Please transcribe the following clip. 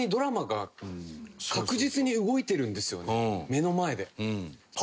目の前で。